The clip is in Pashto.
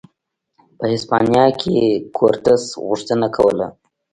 په هسپانیا کې کورتس غوښتنه کوله.